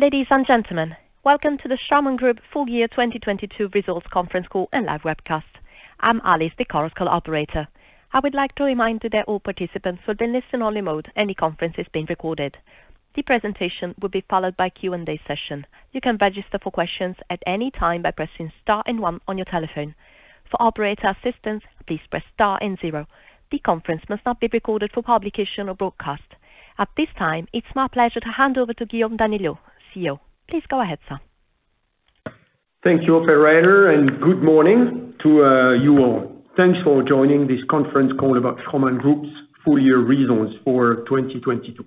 Ladies and gentlemen, welcome to the Straumann Group Full Year 2022 Results Conference Call and live webcast. I'm Alice, the corporate operator. I would like to remind you that all participants will be in listen-only mode, and the conference is being recorded. The presentation will be followed by Q&A session. You can register for questions at any time by pressing star and one on your telephone. For operator assistance, please press star and zero. The conference must not be recorded for publication or broadcast. At this time, it's my pleasure to hand over to Guillaume Daniellot, CEO. Please go ahead, sir. Thank you, Operator, good morning to you all. Thanks for joining this conference call about Straumann Group's full year results for 2022.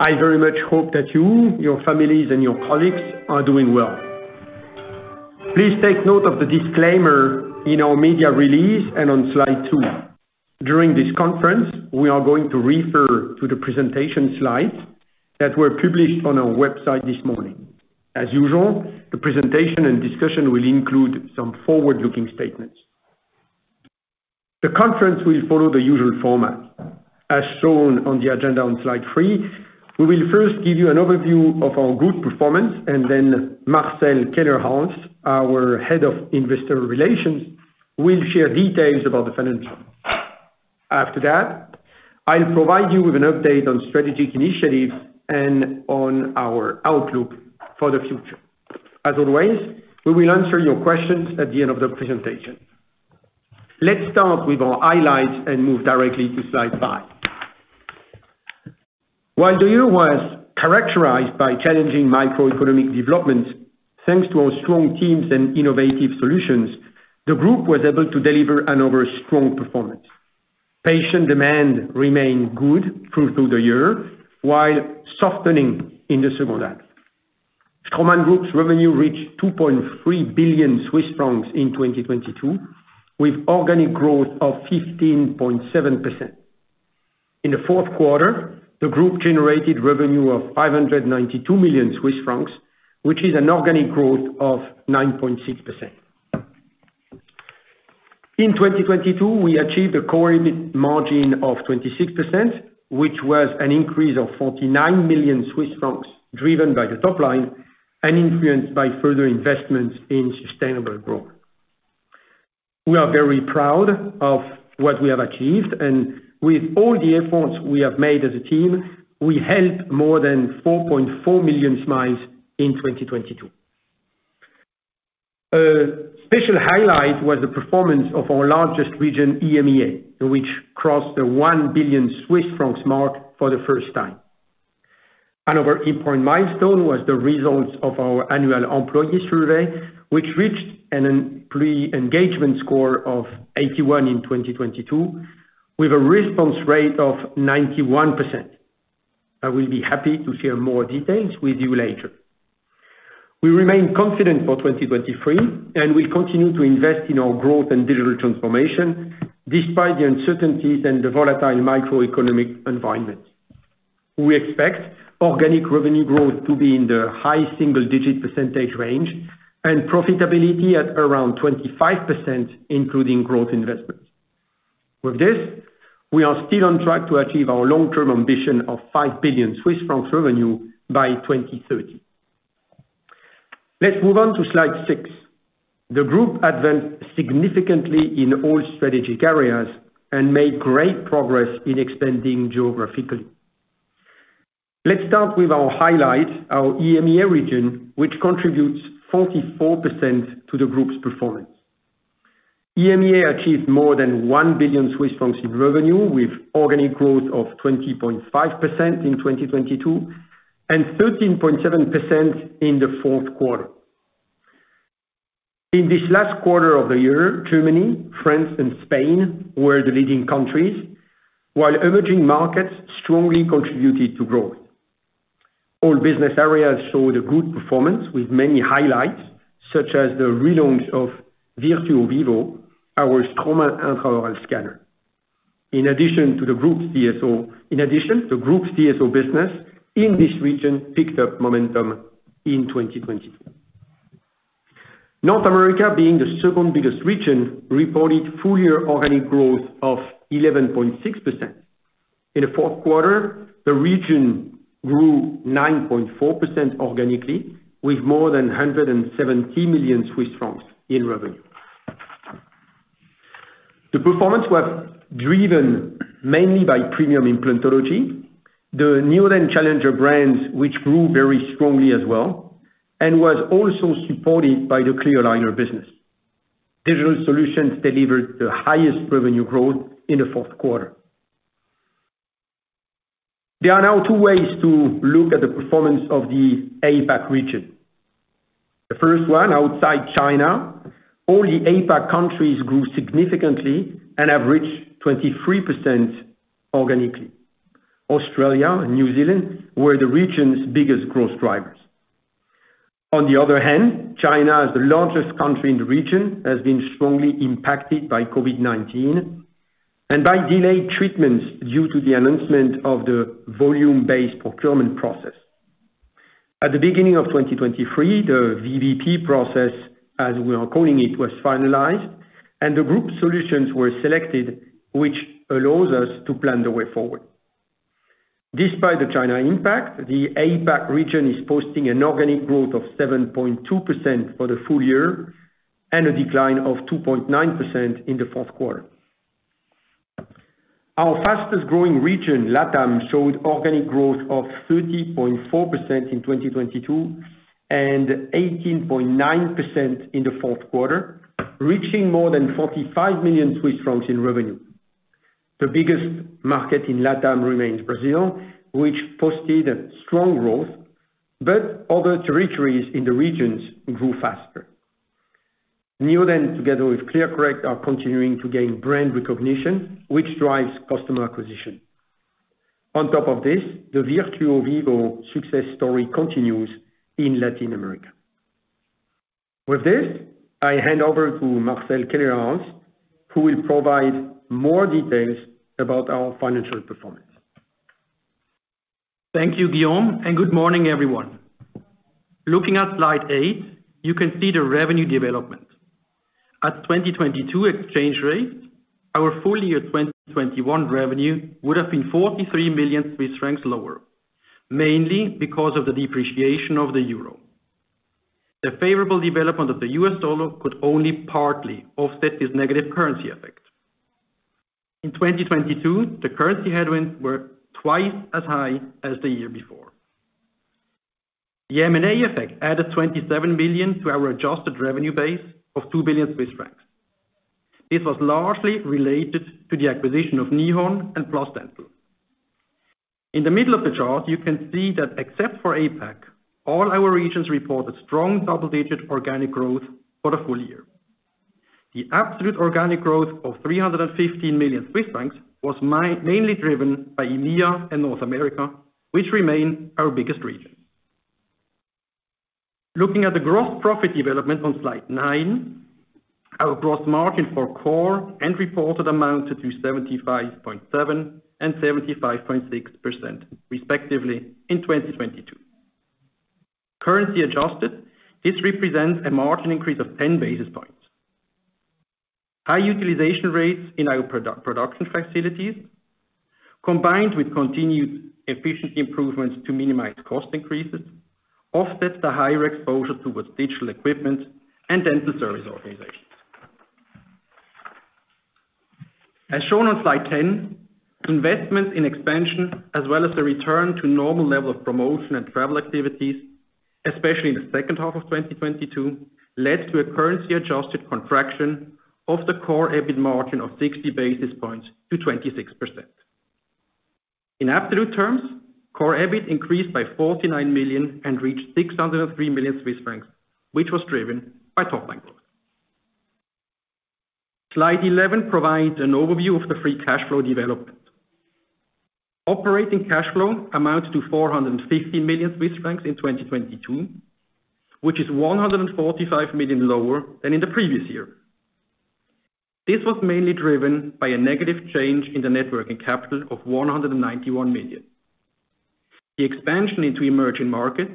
I very much hope that you, your families, and your colleagues are doing well. Please take note of the disclaimer in our media release and on slide 2. During this conference, we are going to refer to the presentation slides that were published on our website this morning. As usual, the presentation and discussion will include some forward-looking statements. The conference will follow the usual format. As shown on the agenda on slide 3, we will first give you an overview of our group performance Marcel Kellerhals, our Head of Investor Relations, will share details about the financials. After that, I'll provide you with an update on strategic initiatives and on our outlook for the future. As always, we will answer your questions at the end of the presentation. Let's start with our highlights and move directly to slide 5. While the year was characterized by challenging microeconomic developments, thanks to our strong teams and innovative solutions, the Straumann Group was able to deliver another strong performance. Patient demand remained good through the year, while softening in the H2. Straumann Group's revenue reached 2.3 billion Swiss francs in 2022, with organic growth of 15.7%. In the Q4, the group generated revenue of 592 million Swiss francs, which is an organic growth of 9.6%. In 2022, we achieved a core EBIT margin of 26%, which was an increase of 49 million Swiss francs, driven by the top line and influenced by further investments in sustainable growth. We are very proud of what we have achieved, and with all the efforts we have made as a team, we helped more than 4.4 million smiles in 2022. A special highlight was the performance of our largest region, EMEA, which crossed the 1 billion Swiss francs mark for the first time. Another important milestone was the results of our annual employee survey, which reached an employee engagement score of 81 in 2022, with a response rate of 91%. I will be happy to share more details with you later. We remain confident for 2023, and we continue to invest in our growth and digital transformation despite the uncertainties and the volatile macroeconomic environment. We expect organic revenue growth to be in the high single-digit percentage range and profitability at around 25%, including growth investments. With this, we are still on track to achieve our long-term ambition of 5 billion Swiss francs revenue by 2030. Let's move on to slide six. The group advanced significantly in all strategic areas and made great progress in expanding geographically. Let's start with our highlight, our EMEA region, which contributes 44% to the group's performance. EMEA achieved more than 1 billion Swiss francs in revenue, with organic growth of 20.5% in 2022 and 13.7% in the Q4. In this last quarter of the year, Germany, France, and Spain were the leading countries, while emerging markets strongly contributed to growth. All business areas showed a good performance with many highlights, such as the relaunch of Virtuo Vivo, our Straumann intraoral scanner. In addition, the group's DSO business in this region picked up momentum in 2022. North America, being the second biggest region, reported full-year organic growth of 11.6%. In the Q4, the region grew 9.4% organically, with more than 170 million Swiss francs in revenue. The performance was driven mainly by premium implantology, the Neodent challenger brands, which grew very strongly as well, and was also supported by the clear aligner business. Digital solutions delivered the highest revenue growth in the Q4. There are now two ways to look at the performance of the APAC region. The first one, outside China, all the APAC countries grew significantly and have reached 23% organically. Australia and New Zealand were the region's biggest growth drivers. China, as the largest country in the region, has been strongly impacted by COVID-19 and by delayed treatments due to the announcement of the volume-based procurement process. At the beginning of 2023, the VBP process, as we are calling it, was finalized. The group solutions were selected, which allows us to plan the way forward. Despite the China impact, the APAC region is posting an organic growth of 7.2% for the full year and a decline of 2.9% in the Q4. Our fastest-growing region, LATAM, showed organic growth of 30.4% in 2022 and 18.9% in the Q4, reaching more than 45 million Swiss francs in revenue. The biggest market in LATAM remains Brazil, which posted a strong growth. Other territories in the regions grew faster. Nihon, together with ClearCorrect, are continuing to gain brand recognition, which drives customer acquisition. On top of this, the Virtuo Vivo success story continues in Latin America. With this, I hand over to Marcel Kellerhals, who will provide more details about our financial performance. Thank you, Guillaume. Good morning, everyone. Looking at slide eight, you can see the revenue development. At 2022 exchange rate, our full year 2021 revenue would have been 43 million Swiss francs lower, mainly because of the depreciation of the euro. The favorable development of the US dollar could only partly offset this negative currency effect. In 2022, the currency headwinds were twice as high as the year before. The M&A effect added 27 million to our adjusted revenue base of 2 billion Swiss francs. This was largely related to the acquisition of Nihon and PlusDental. In the middle of the chart, you can see that except for APAC, all our regions reported strong double-digit organic growth for the full year. The absolute organic growth of 315 million Swiss francs was mainly driven by EMEA and North America, which remain our biggest regions. Looking at the gross profit development on slide 9, our gross margin for core and reported amounted to 75.7% and 75.6% respectively in 2022. Currency adjusted, this represents a margin increase of 10 basis points. High utilization rates in our production facilities, combined with continued efficiency improvements to minimize cost increases, offset the higher exposure towards digital equipment and dental service organizations. As shown on slide 10, investment in expansion as well as the return to normal level of promotion and travel activities, especially in the H2 of 2022, led to a currency adjusted contraction of the core EBIT margin of 60 basis points to 26%. In absolute terms, core EBIT increased by 49 million and reached 603 million Swiss francs, which was driven by top line growth. Slide 11 provides an overview of the free cash flow development. Operating cash flow amounts to 450 million Swiss francs in 2022, which is 145 million lower than in the previous year. This was mainly driven by a negative change in the net working capital of 191 million. The expansion into emerging markets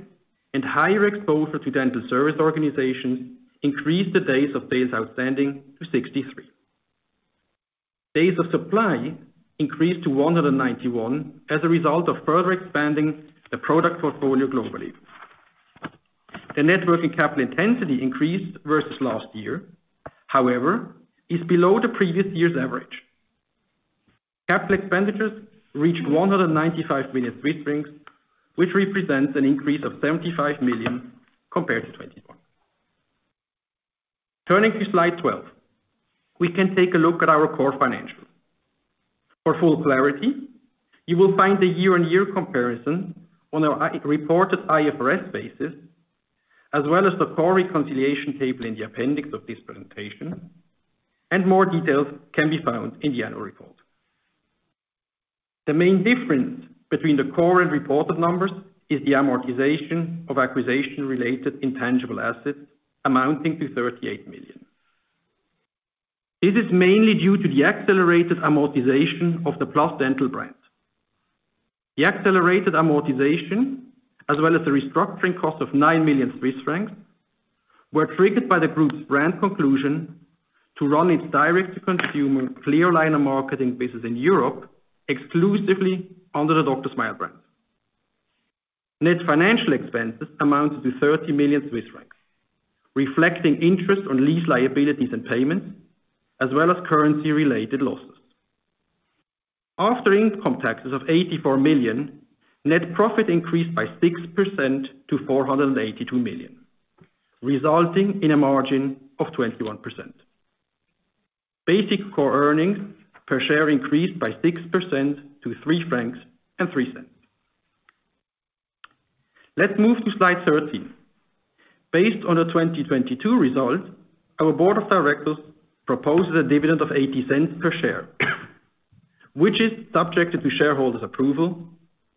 and higher exposure to dental service organizations increased the days of sales outstanding to 63. Days of supply increased to 191 as a result of further expanding the product portfolio globally. The net working capital intensity increased versus last year, however, is below the previous year's average. Capital expenditures reached 195 million Swiss francs, which represents an increase of 75 million compared to 2021. Turning to slide 12, we can take a look at our core financials. For full clarity, you will find the year-on-year comparison on a reported IFRS basis, as well as the core reconciliation table in the appendix of this presentation, and more details can be found in the annual report. The main difference between the core and reported numbers is the amortization of acquisition-related intangible assets amounting to 38 million. This is mainly due to the accelerated amortization of the PlusDental brand. The accelerated amortization, as well as the restructuring cost of 9 million Swiss francs, were triggered by the group's brand conclusion to run its direct-to-consumer clear aligner marketing business in Europe exclusively under the DrSmile brand. Net financial expenses amount to 30 million Swiss francs, reflecting interest on lease liabilities and payments, as well as currency-related losses. After income taxes of 84 million, net profit increased by 6% to 482 million, resulting in a margin of 21%. Basic core earnings per share increased by 6% to 3.03 francs. Let's move to slide 13. Based on the 2022 results, our board of directors proposes a dividend of 0.80 per share, which is subjected to shareholders' approval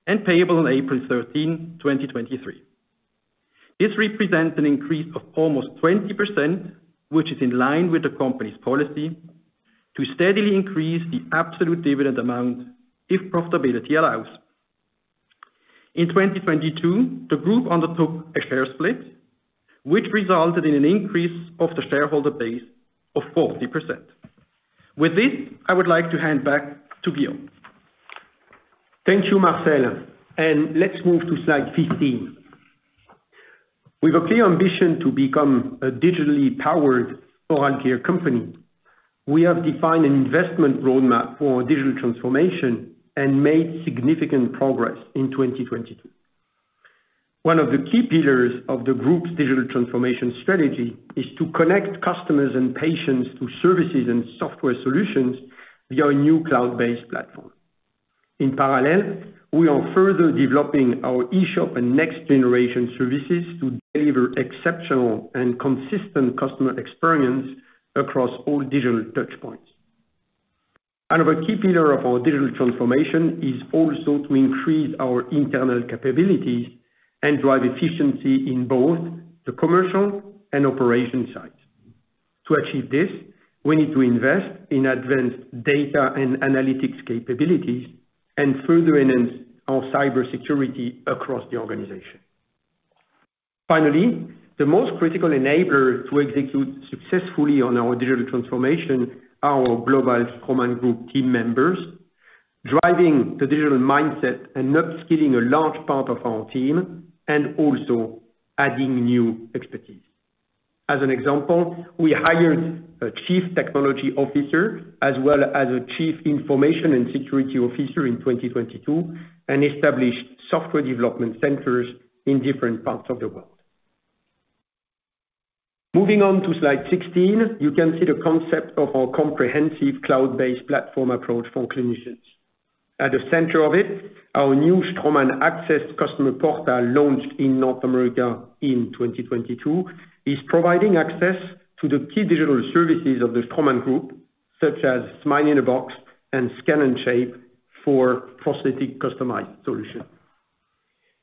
and payable on April 13, 2023. This represents an increase of almost 20%, which is in line with the company's policy to steadily increase the absolute dividend amount if profitability allows. In 2022, the group undertook a share split which resulted in an increase of the shareholder base of 40%. With this, I would like to hand back to Guillaume. Thank you, Marcel. Let's move to slide 15. We've a clear ambition to become a digitally powered oral care company. We have defined an investment roadmap for digital transformation and made significant progress in 2022. One of the key pillars of the group's digital transformation strategy is to connect customers and patients to services and software solutions via a new cloud-based platform. In parallel, we are further developing our e-shop and next generation services to deliver exceptional and consistent customer experience across all digital touchpoints. Another key pillar of our digital transformation is also to increase our internal capabilities and drive efficiency in both the commercial and operation side. To achieve this, we need to invest in advanced data and analytics capabilities and further enhance our cybersecurity across the organization. The most critical enabler to execute successfully on our digital transformation are our global Straumann Group team members, driving the digital mindset and upskilling a large part of our team and also adding new expertise. As an example, we hired a chief technology officer as well as a chief information and security officer in 2022 and established software development centers in different parts of the world. Moving on to slide 16, you can see the concept of our comprehensive cloud-based platform approach for clinicians. At the center of it, our new Straumann AXS customer portal, launched in North America in 2022, is providing access to the key digital services of the Straumann Group, such as Smile in a Box and Scan & Shape for prosthetic customized solution.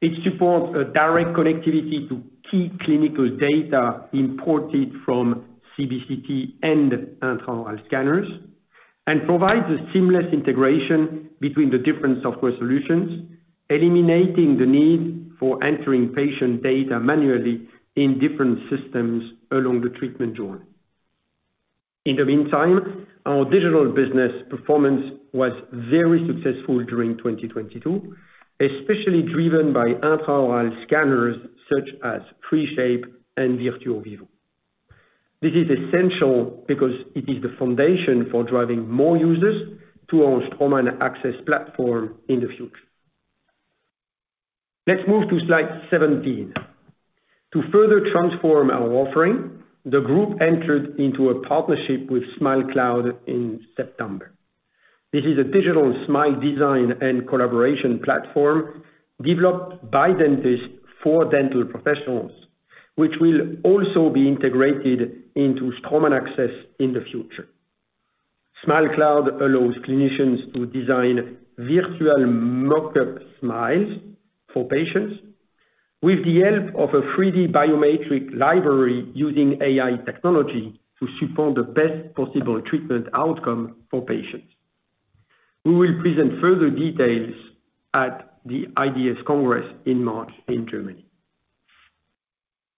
It supports a direct connectivity to key clinical data imported from CBCT and intraoral scanners and provides a seamless integration between the different software solutions, eliminating the need for entering patient data manually in different systems along the treatment journey. In the meantime, our digital business performance was very successful during 2022, especially driven by intraoral scanners such as 3Shape and Virtuo Vivo. This is essential because it is the foundation for driving more users to our Straumann AXS platform in the future. Let's move to slide 17. To further transform our offering, the group entered into a partnership with Smilecloud in September. This is a digital smile design and collaboration platform developed by dentists for dental professionals, which will also be integrated into Straumann AXS in the future. Smilecloud allows clinicians to design virtual mock-up smiles for patients with the help of a 3D biometric library using AI technology to support the best possible treatment outcome for patients. We will present further details at the IDS Congress in March in Germany.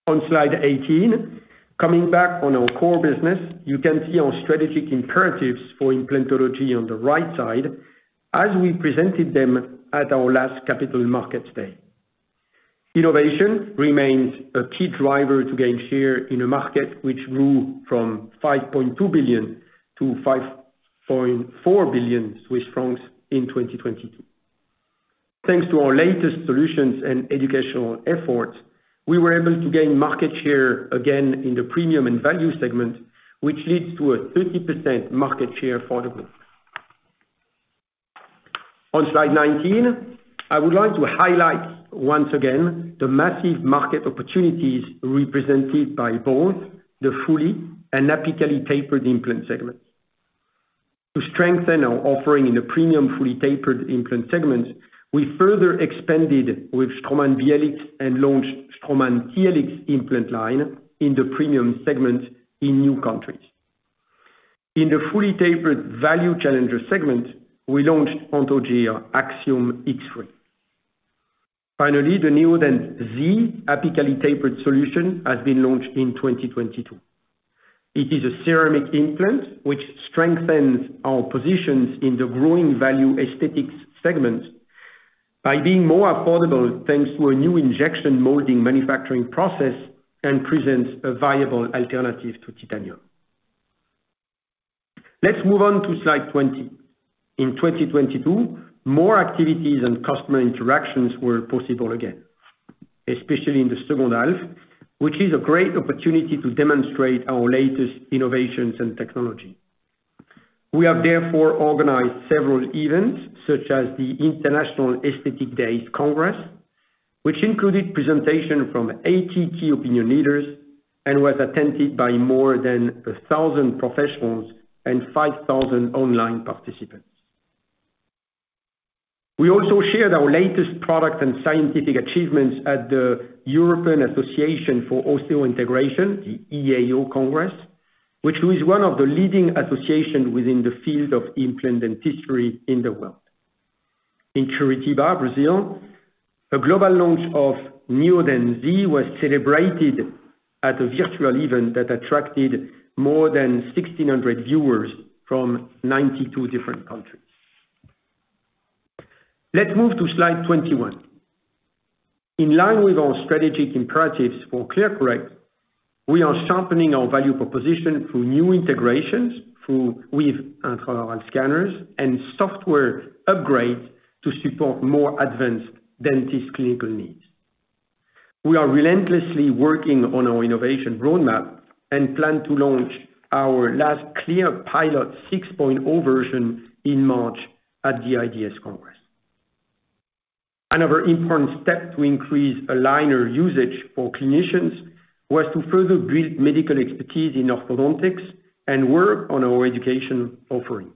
On slide 18, coming back on our core business, you can see our strategic imperatives for implantology on the right side as we presented them at our last Capital Markets Day. Innovation remains a key driver to gain share in a market which grew from 5.2 billion to 5.4 billion Swiss francs in 2022. Thanks to our latest solutions and educational efforts, we were able to gain market share again in the premium and value segment, which leads to a 30% market share for the group. On slide 19, I would like to highlight once again the massive market opportunities represented by both the fully and apically tapered implant segments. To strengthen our offering in the premium fully tapered implant segment, we further expanded with Straumann BLX and launched Straumann TLX implant line in the premium segment in new countries. In the fully tapered value challenger segment, we launched Anthogyr Axiom X3. Finally, the Neodent Zi apically tapered solution has been launched in 2022. It is a ceramic implant which strengthens our positions in the growing value aesthetics segment by being more affordable thanks to a new injection molding manufacturing process and presents a viable alternative to titanium. Let's move on to slide 20. In 2022, more activities and customer interactions were possible again, especially in the H2, which is a great opportunity to demonstrate our latest innovations and technology. We have therefore organized several events such as the International Aesthetic Days Congress, which included presentation from 80 key opinion leaders and was attended by more than 1,000 professionals and 5,000 online participants. We also shared our latest product and scientific achievements at the European Association for Osseointegration, the EAO Congress, which was one of the leading association within the field of implant dentistry in the world. In Curitiba, Brazil, a global launch of new Neodent Zi was celebrated at a virtual event that attracted more than 1,600 viewers from 92 different countries. Let's move to slide 21. In line with our strategic imperatives for ClearCorrect, we are sharpening our value proposition through new integrations through with intraoral scanners and software upgrades to support more advanced dentist clinical needs. We are relentlessly working on our innovation roadmap and plan to launch our last ClearPilot 6.0 version in March at the IDS Congress. Another important step to increase aligner usage for clinicians was to further build medical expertise in orthodontics and work on our education offering.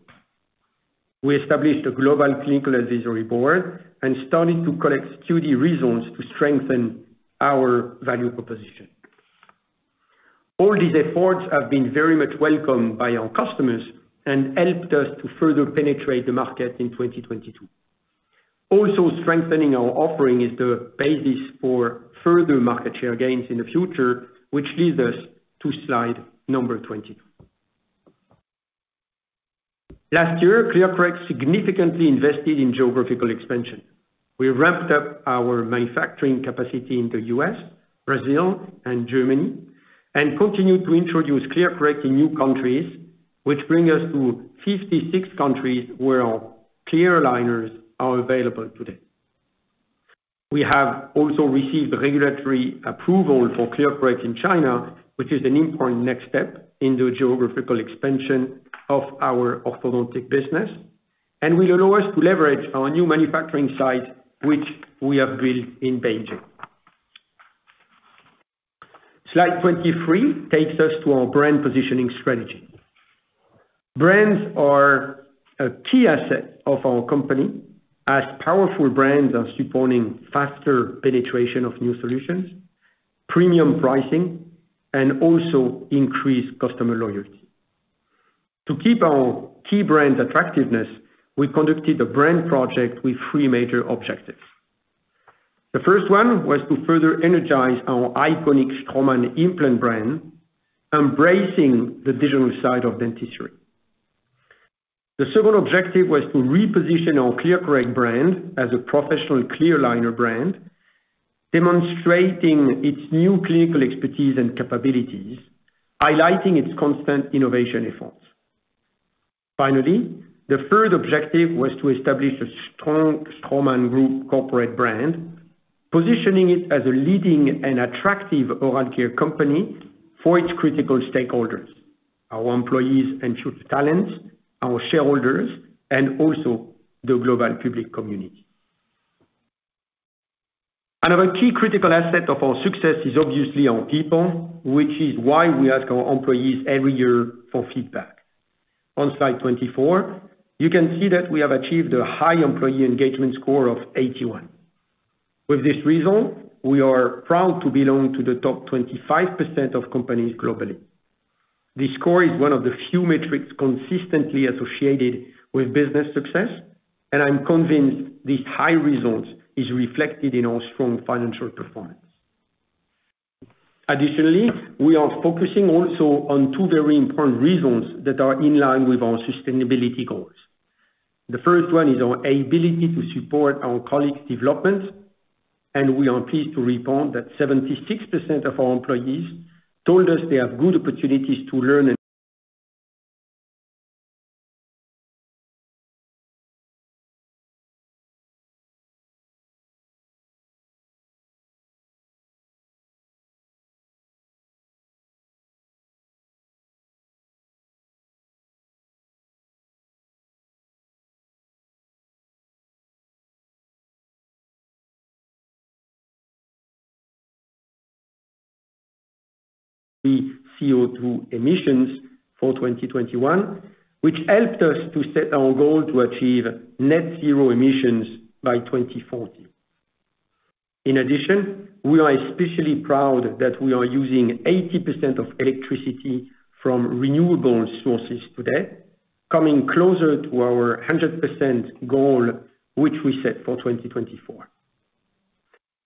We established a global clinical advisory board and starting to collect study results to strengthen our value proposition. All these efforts have been very much welcomed by our customers and helped us to further penetrate the market in 2022. Strengthening our offering is the basis for further market share gains in the future, which leads us to slide number 20. Last year, ClearCorrect significantly invested in geographical expansion. We ramped up our manufacturing capacity in the U.S., Brazil, and Germany, and continued to introduce ClearCorrect in new countries, which bring us to 56 countries where our clear aligners are available today. We have also received regulatory approval for ClearCorrect in China, which is an important next step in the geographical expansion of our orthodontic business, and will allow us to leverage our new manufacturing site, which we have built in Beijing. Slide 23 takes us to our brand positioning strategy. Brands are a key asset of our company, as powerful brands are supporting faster penetration of new solutions, premium pricing, and also increased customer loyalty. To keep our key brands attractiveness, we conducted a brand project with three major objectives. The first one was to further energize our iconic Straumann implant brand, embracing the digital side of dentistry. The second objective was to reposition our ClearCorrect brand as a professional clear aligner brand, demonstrating its new clinical expertise and capabilities, highlighting its constant innovation efforts. The third objective was to establish a strong Straumann Group corporate brand, positioning it as a leading and attractive oral care company for its critical stakeholders, our employees, and future talents, our shareholders, and also the global public community. Another key critical asset of our success is obviously our people, which is why we ask our employees every year for feedback. On slide 24, you can see that we have achieved a high employee engagement score of 81. With this result, we are proud to belong to the top 25% of companies globally. This score is one of the few metrics consistently associated with business success, and I'm convinced this high result is reflected in our strong financial performance. Additionally, we are focusing also on two very important results that are in line with our sustainability goals. The first one is our ability to support our colleagues' development. We are pleased to report that 76% of our employees told us they have good opportunities to learn and... CO₂ emissions for 2021, which helped us to set our goal to achieve net zero emissions by 2040. We are especially proud that we are using 80% of electricity from renewable sources today, coming closer to our 100% goal, which we set for 2024.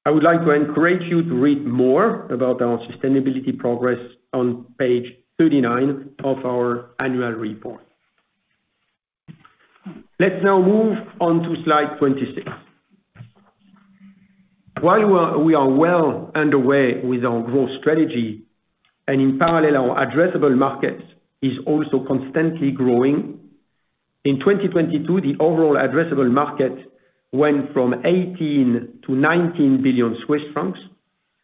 I would like to encourage you to read more about our sustainability progress on page 39 of our annual report. Let's now move on to slide 26. While we are well underway with our growth strategy and in parallel, our addressable market is also constantly growing. In 2022, the overall addressable market went from 18 billion-19 billion Swiss francs,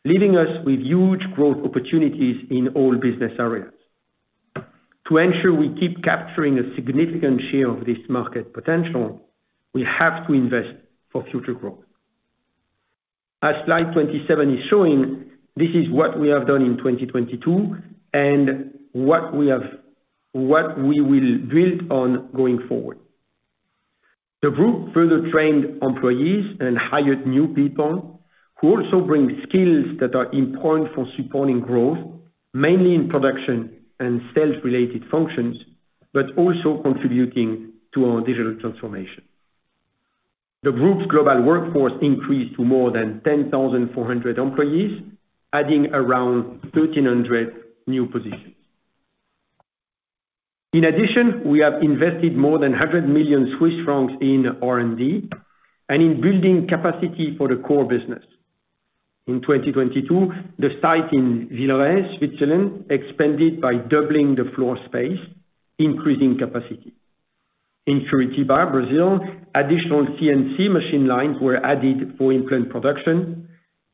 leaving us with huge growth opportunities in all business areas. To ensure we keep capturing a significant share of this market potential, we have to invest for future growth. As slide 27 is showing, this is what we have done in 2022 and what we will build on going forward. The group further trained employees and hired new people who also bring skills that are important for supporting growth, mainly in production and sales-related functions, but also contributing to our digital transformation. The group's global workforce increased to more than 10,400 employees, adding around 1,300 new positions. In addition, we have invested more than 100 million Swiss francs in R&D and in building capacity for the core business. In 2022, the site in Villeret, Switzerland expanded by doubling the floor space, increasing capacity. In Curitiba, Brazil, additional CNC machine lines were added for implant production.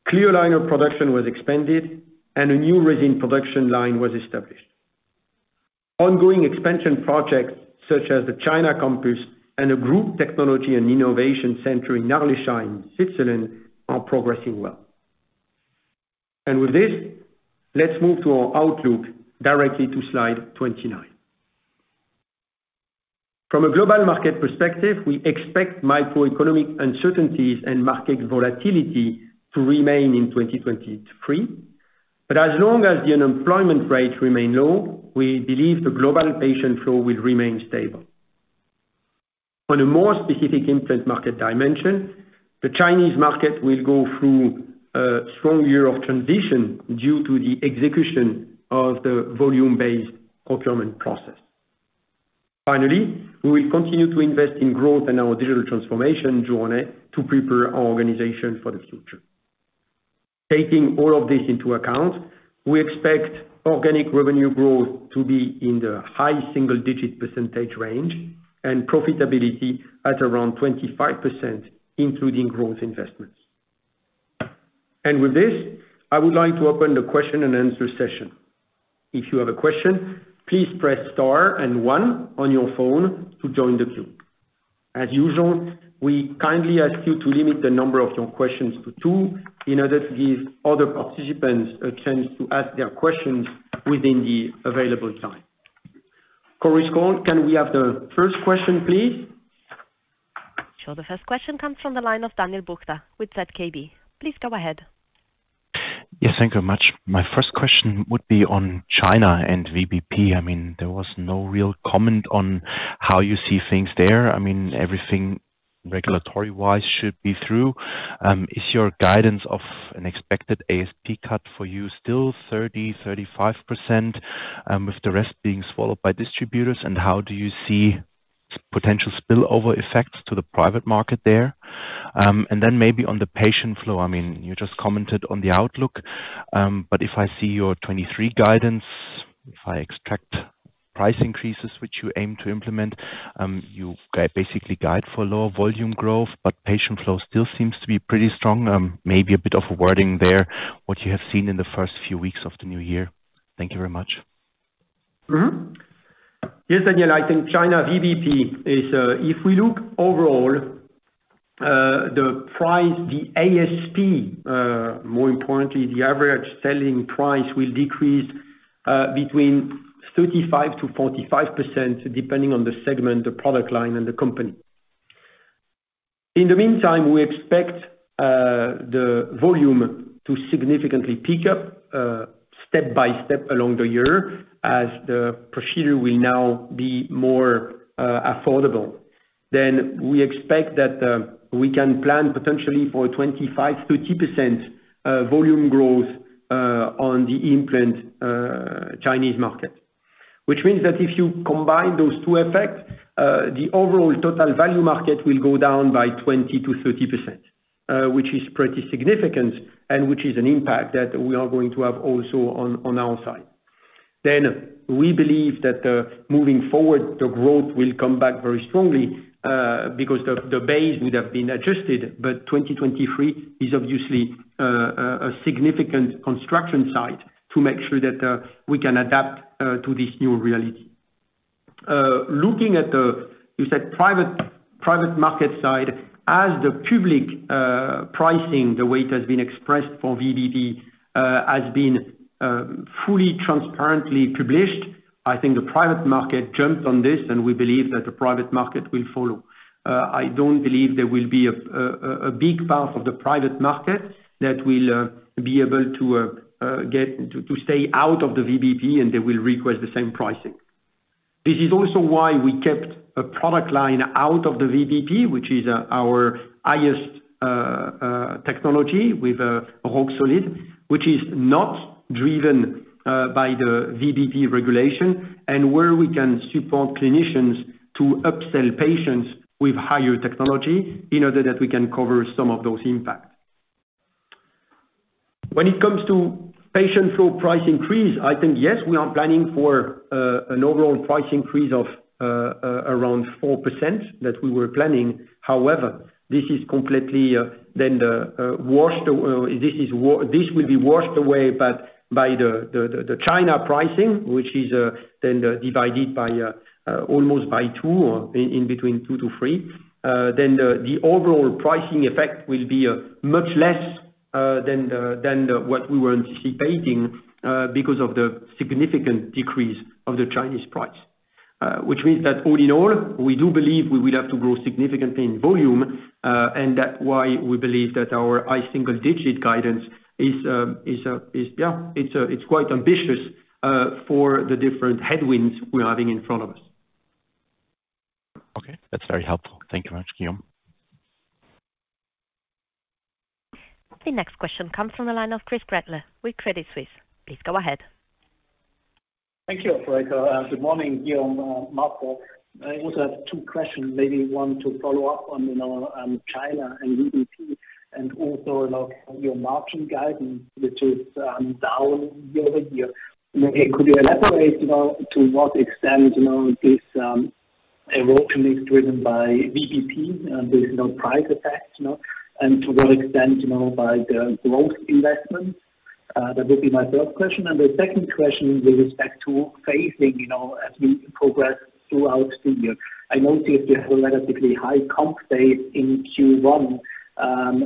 Clear aligner production was expanded, and a new resin production line was established. Ongoing expansion projects, such as the China campus and a group technology and innovation center in Arlesheim, Switzerland, are progressing well. Let's move to our outlook directly to slide 29. From a global market perspective, we expect microeconomic uncertainties and market volatility to remain in 2023. As long as the unemployment rates remain low, we believe the global patient flow will remain stable. On a more specific implant market dimension, the Chinese market will go through a strong year of transition due to the execution of the volume-based procurement process. We will continue to invest in growth and our digital transformation journey to prepare our organization for the future. Taking all of this into account, we expect organic revenue growth to be in the high single-digit percentage range and profitability at around 25%, including growth investments. With this, I would like to open the question-and-answer session. If you have a question, please press star and one on your phone to join the queue. As usual, we kindly ask you to limit the number of your questions to 2 in order to give other participants a chance to ask their questions within the available time. Chloe, can we have the first question, please? Sure. The first question comes from the line of Daniel Buchta with ZKB. Please go ahead. Yes, thank you much. My first question would be on China and VBP. I mean, there was no real comment on how you see things there. I mean, everything regulatory-wise should be through. Is your guidance of an expected ASP cut for you still 30% to 35%, with the rest being swallowed by distributors? How do you see potential spillover effects to the private market there? Then maybe on the patient flow, I mean, you just commented on the outlook, if I see your 23 guidance, if I extract price increases, which you aim to implement, you basically guide for lower volume growth, but patient flow still seems to be pretty strong. Maybe a bit of a wording there, what you have seen in the first few weeks of the new year. Thank you very much. Mm-hmm. Yes, Daniel, I think China VBP is, if we look overall, the price, the ASP, more importantly, the average selling price will decrease between 35% to 45%, depending on the segment, the product line and the company. In the meantime, we expect the volume to significantly pick up step-by-step along the year as the procedure will now be more affordable. We expect that we can plan potentially for a 25%, 30% volume growth on the implant Chinese market. This means that if you combine those two effects, the overall total value market will go down by 20% to 30%, which is pretty significant and which is an impact that we are going to have also on our side. We believe that moving forward, the growth will come back very strongly because the base would have been adjusted. 2023 is obviously a significant construction site to make sure that we can adapt to this new reality. Looking at the private market side. As the public pricing, the way it has been expressed for VBP, has been fully transparently published, I think the private market jumped on this, and we believe that the private market will follow. I don't believe there will be a big part of the private market that will be able to stay out of the VBP, and they will request the same pricing. This is also why we kept a product line out of the VBP, which is our highest technology with Roxolid, which is not driven by the VBP regulation and where we can support clinicians to upsell patients with higher technology in order that we can cover some of those impacts. When it comes to patient flow price increase, I think, yes, we are planning for an overall price increase of around 4% that we were planning. However, this is completely then the washed away. This will be washed away by the China pricing, which is then divided by almost by two or in between two to three. The overall pricing effect will be much less than what we were anticipating, because of the significant decrease of the Chinese price. Means that all in all, we do believe we will have to grow significantly in volume, that why we believe that our high single digit guidance is, yeah, it's quite ambitious for the different headwinds we're having in front of us. Okay. That's very helpful. Thank you much, Guillaume. The next question comes from the line of Christoph Gretler with Credit Suisse. Please go ahead. Thank you, operator. Good morning, Guillaume, Marco. I also have 2 questions, maybe 1 to follow up on, you know, China and VVP and also, like, your margin guidance, which is down year-over-year. You know, could you elaborate, you know, to what extent, you know, this erosion is driven by VVP, and there is no price effect, you know, and to what extent, you know, by the growth investment? That would be my 1st question. The 2nd question with respect to phasing, you know, as we progress throughout the year. I notice you have a relatively high comp base in Q1,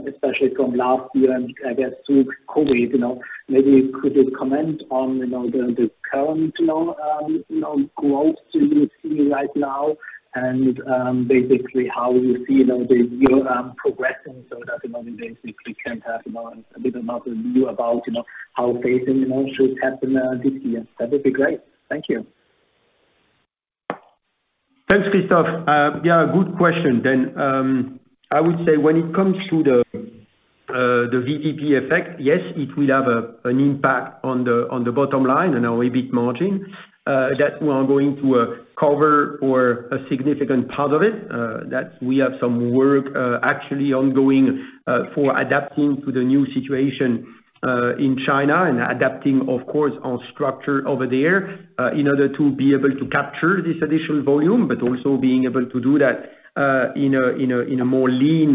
especially from last year and, I guess, through COVID, you know. Maybe could you comment on, you know, the current, you know, growth you see right now and basically how you see, you know, the year progressing so that, you know, we basically can have a bit of another view about, you know, how phasing should happen this year. That would be great. Thank you. Thanks, Christoph. Yeah, good question then. I would say when it comes to the VBP effect, yes, it will have an impact on the bottom line and our EBIT margin that we are going to cover or a significant part of it that we have some work actually ongoing for adapting to the new situation in China and adapting, of course, our structure over there in order to be able to capture this additional volume, but also being able to do that in a more lean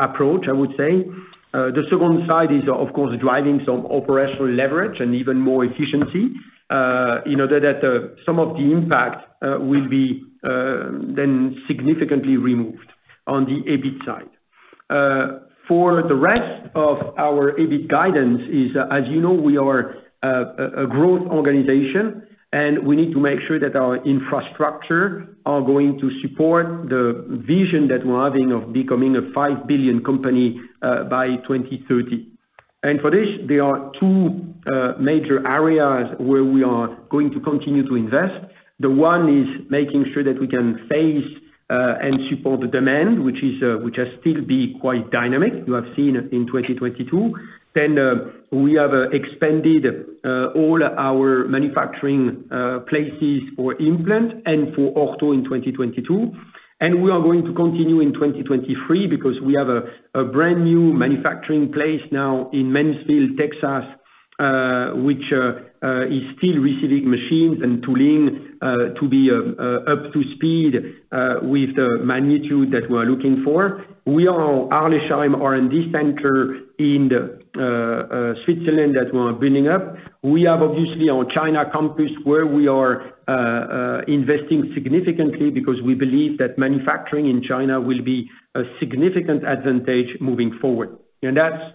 approach, I would say. The second side is of course driving some operational leverage and even more efficiency, you know, that some of the impact will be then significantly removed on the EBIT side. For the rest of our EBIT guidance is as you know, we are a growth organization, and we need to make sure that our infrastructure are going to support the vision that we're having of becoming a 5 billion company by 2030. For this, there are two major areas where we are going to continue to invest. The one is making sure that we can phase and support the demand, which is, which has still be quite dynamic, you have seen in 2022. We have expanded all our manufacturing places for implant and for ortho in 2022, and we are going to continue in 2023 because we have a brand new manufacturing place now in Mansfield, Texas, which is still receiving machines and tooling to be up to speed with the magnitude that we are looking for. We are Arlesheim R&D center in Switzerland that we are building up. We have obviously our China campus where we are investing significantly because we believe that manufacturing in China will be a significant advantage moving forward. That's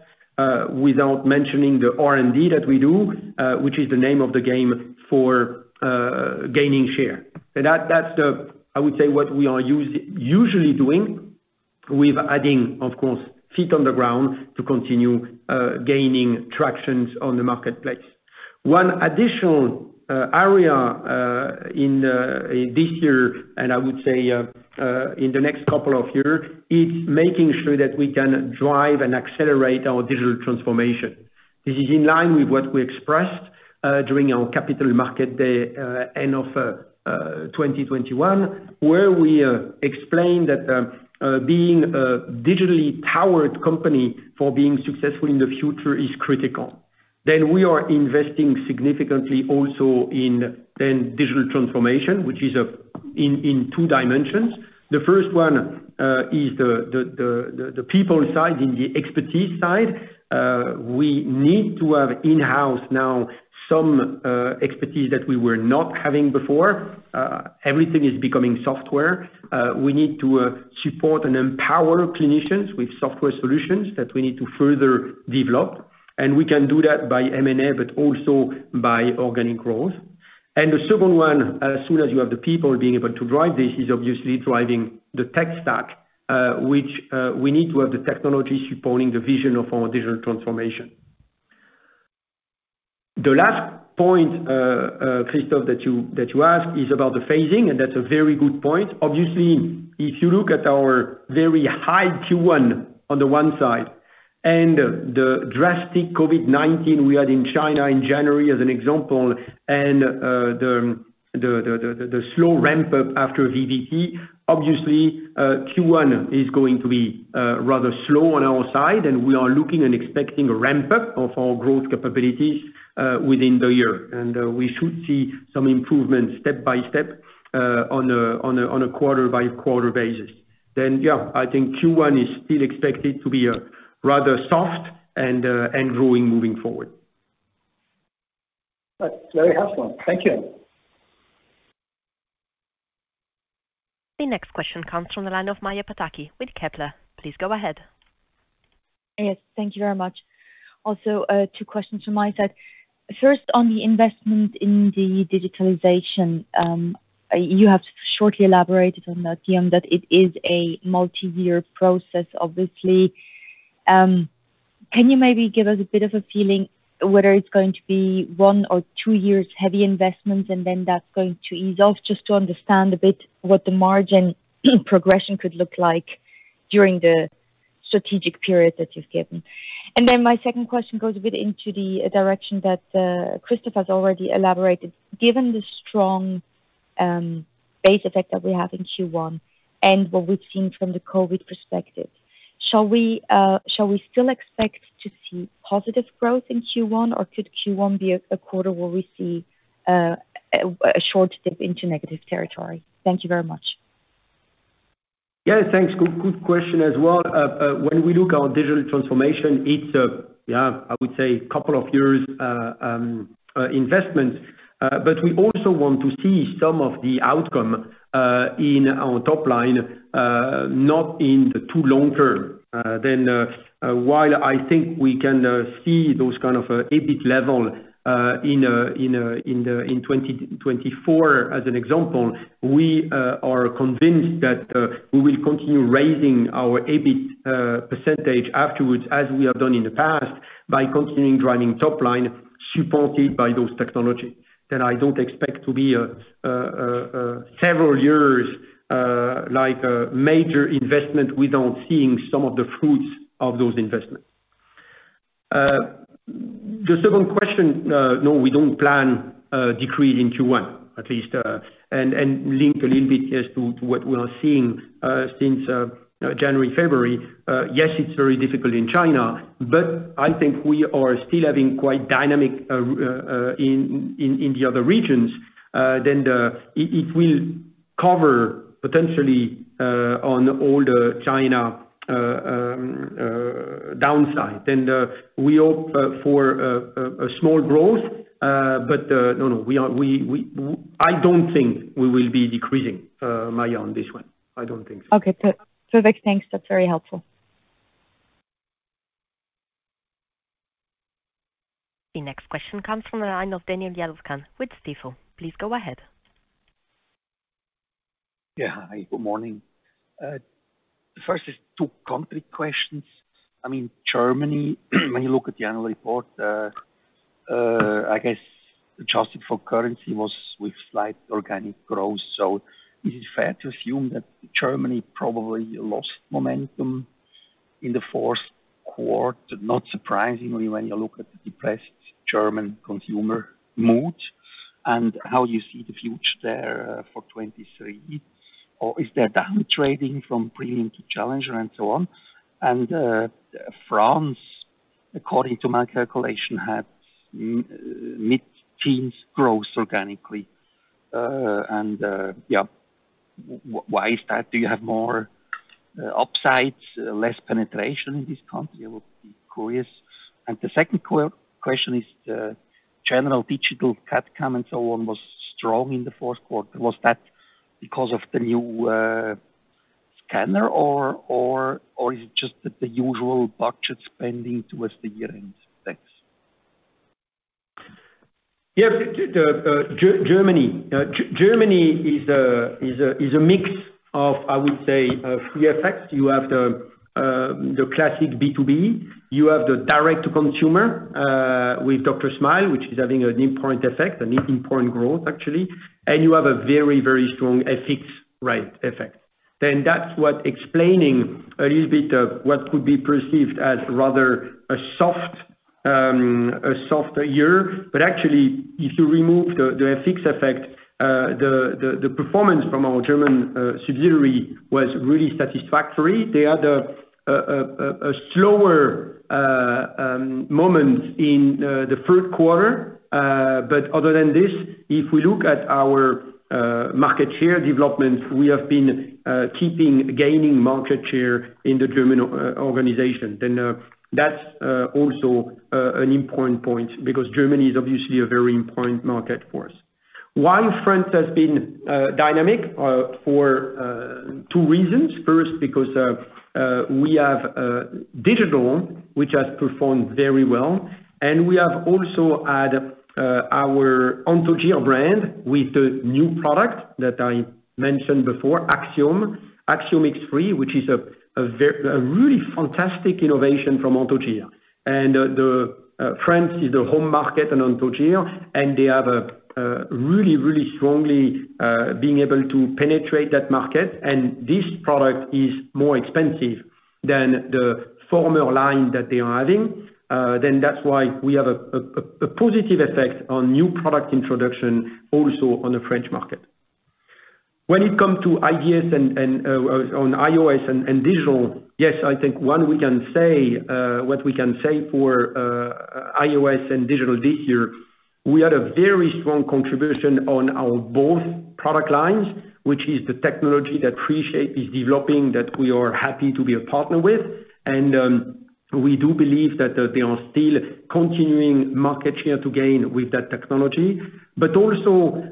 without mentioning the R&D that we do, which is the name of the game for gaining share. That's the, I would say, what we are usually doing with adding, of course, feet on the ground to continue gaining tractions on the marketplace. One additional area in this year, and I would say, in the next couple of years, is making sure that we can drive and accelerate our digital transformation. This is in line with what we expressed during our Capital Markets Day end of 2021, where we explained that being a digitally powered company for being successful in the future is critical. We are investing significantly also in then digital transformation, which is in two dimensions. The first one is the people side and the expertise side. We need to have in-house now some expertise that we were not having before. Everything is becoming software. We need to support and empower clinicians with software solutions that we need to further develop. We can do that by M&A, but also by organic growth. The second one, as soon as you have the people being able to drive this, is obviously driving the tech stack, which we need to have the technology supporting the vision of our digital transformation. The last point, Christoph, that you asked is about the phasing, and that's a very good point. Obviously, if you look at our very high Q1 on the one side and the drastic COVID-19 we had in China in January as an example, and the slow ramp-up after VVP, obviously, Q1 is going to be rather slow on our side, and we are looking and expecting a ramp-up of our growth capabilities within the year. We should see some improvements step by step on a quarter-by-quarter basis. Yeah, I think Q1 is still expected to be rather soft and growing moving forward. That's very helpful. Thank you. The next question comes from the line of Maja Pataki with Kepler. Please go ahead. Thank you very much. Two questions from my side. On the investment in the digitalization. You have shortly elaborated on that, Guillaume, that it is a multi-year process, obviously. Can you maybe give us a bit of a feeling whether it's going to be one or two years heavy investment and then that's going to ease off, just to understand a bit what the margin progression could look like during the strategic period that you've given? My second question goes a bit into the direction that Christoph's already elaborated. Given the strong base effect that we have in Q1 and what we've seen from the COVID perspective, shall we still expect to see positive growth in Q1 or could Q1 be a quarter where we see a short dip into negative territory? Thank you very much. Yeah, thanks. Good question as well. When we look our digital transformation, it's a I would say couple of years investment. But we also want to see some of the outcome in our top line not in the too long term. While I think we can see those kind of EBIT level in 2024 as an example, we are convinced that we will continue raising our EBIT % afterwards as we have done in the past by continuing driving top line supported by those technologies. I don't expect to be a several years like a major investment without seeing some of the fruits of those investments. The second question, no, we don't plan a decrease in Q1, at least. Link a little bit as to what we are seeing since January, February. Yes, it's very difficult in China. I think we are still having quite dynamic in the other regions than. It will cover potentially on all the China downside. We hope for a small growth. No, I don't think we will be decreasing, Maya, on this one. I don't think so. Okay. Perfect. Thanks. That's very helpful. The next question comes from the line of Daniel Jelovcan with Stifel. Please go ahead. Yeah. Hi, good morning. First is two country questions. I mean, Germany, when you look at the annual report, I guess adjusted for currency was with slight organic growth. Is it fair to assume that Germany probably lost momentum in the Q4, not surprisingly when you look at the depressed German consumer mood, and how you see the future there for 2023? Is there downtrading from premium to challenger and so on? France, according to my calculation, had mid-teens growth organically. Yeah, why is that? Do you have more upsides, less penetration in this country? I would be curious. The second question is, general digital CapEx and so on was strong in the Q4. Was that because of the new scanner or is it just the usual budget spending towards the year-end? Thanks. Yeah. Germany is a mix of, I would say, 3 effects. You have the classic B2B, you have the direct-to-consumer with DrSmile, which is having an important growth actually. You have a very strong FX, right, effect. That's what explaining a little bit of what could be perceived as rather a softer year. Actually, if you remove the FX effect, the performance from our German subsidiary was really satisfactory. They had a slower moment in the Q3. Other than this, if we look at our market share development, we have been gaining market share in the German organization. That's also an important point because Germany is obviously a very important market for us. France has been dynamic for two reasons. First, because we have digital, which has performed very well, and we have also had our Anthogyr brand with the new product that I mentioned before, Axiom. Axiom X3, which is a really fantastic innovation from Anthogyr. France is the home market on Anthogyr, and they have really strongly being able to penetrate that market. This product is more expensive than the former line that they are having. That's why we have a positive effect on new product introduction also on the French market. When it come to IDS and iOS and digital, yes, I think one we can say, what we can say for iOS and digital this year. We had a very strong contribution on our both product lines, which is the technology that 3Shape is developing that we are happy to be a partner with. We do believe that there are still continuing market share to gain with that technology. Also,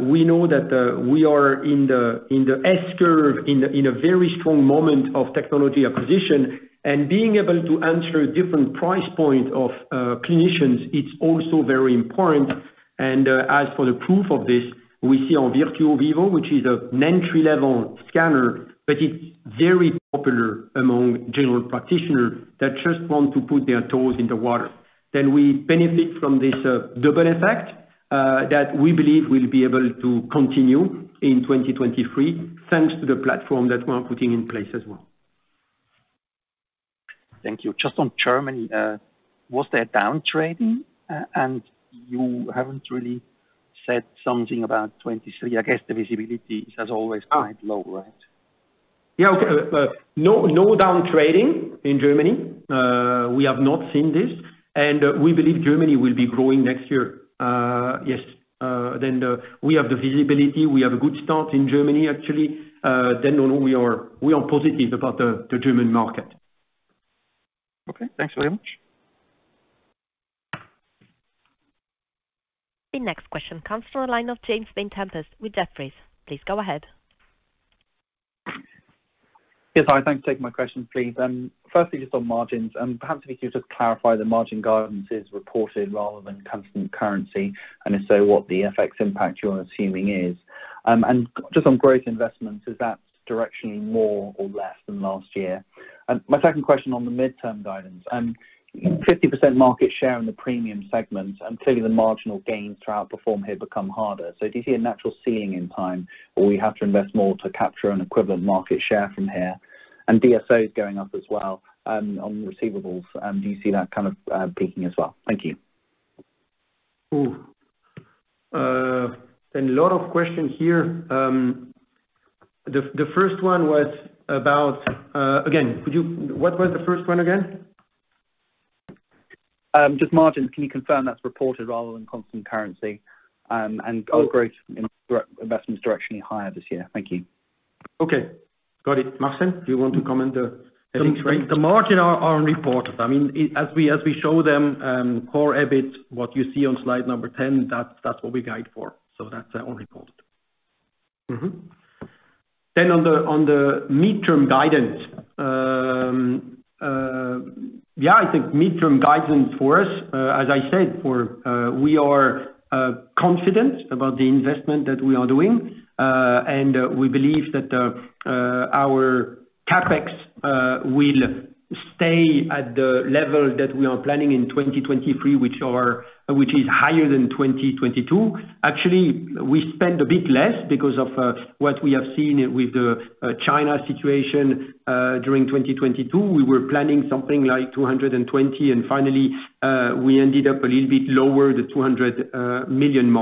we know that we are in the S-curve in a very strong moment of technology acquisition and being able to answer different price point of clinicians, it's also very important. As for the proof of this, we see on Virtuo Vivo, which is an entry level scanner, but it's very popular among general practitioners that just want to put their toes in the water. We benefit from this double effect that we believe will be able to continue in 2023, thanks to the platform that we are putting in place as well. Thank you. Just on Germany, was there downtrading? You haven't really said something about 23. I guess the visibility is as always quite low, right? Okay. No downtrading in Germany. We have not seen this. We believe Germany will be growing next year. Yes. We have the visibility. We have a good start in Germany actually. No, we are positive about the German market. Okay. Thanks very much. The next question comes from the line of James Vane-Tempest with Jefferies. Please go ahead. Yes. Hi. Thanks for taking my question, please. Firstly, just on margins and perhaps if you could just clarify the margin guidance is reported rather than constant currency, and if so, what the FX impact you are assuming is. Just on growth investments, is that directionally more or less than last year? My second question on the midterm guidance. 50% market share in the premium segment, and clearly the marginal gains to outperform here become harder. Do you see a natural ceiling in time, or we have to invest more to capture an equivalent market share from here? DSO is going up as well on receivables. Do you see that kind of peaking as well? Thank you. A lot of question here, the first one was about, again, what was the first one again? Just margins. Can you confirm that's reported rather than constant currency? Are growth in investments directionally higher this year? Thank you. Okay. Got it. Martin, do you want to comment the. The margin are reported. I mean, as we show them, core EBIT, what you see on slide number ten, that's what we guide for. That's on reported. On the midterm guidance. I think midterm guidance for us, as I said, we are confident about the investment that we are doing. We believe that our CapEx will stay at the level that we are planning in 2023, which is higher than 2022. Actually, we spent a bit less because of what we have seen with the China situation during 2022. We were planning something like 220 million, we ended up a little bit lower, the 200 million